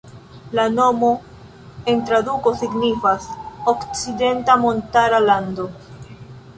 La nomo en traduko signifas "Okcidenta Montara Lando".